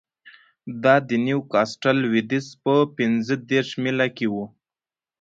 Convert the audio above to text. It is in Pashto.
دا د نیوکاسټل لوېدیځ په پنځه دېرش میله کې و